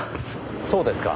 そうですか。